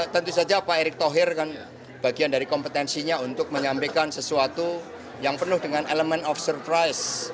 tentu saja pak erick thohir kan bagian dari kompetensinya untuk menyampaikan sesuatu yang penuh dengan elemen of surprise